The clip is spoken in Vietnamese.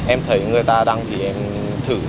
em thấy người ta đăng thì em thử xem